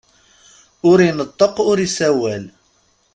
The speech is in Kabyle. Ur ineṭṭeq ur isawal.